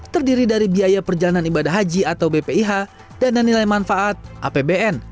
terdiri dari biaya perjalanan ibadah haji atau bpih dana nilai manfaat apbn